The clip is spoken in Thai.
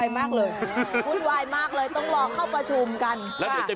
ไม่น่าใช่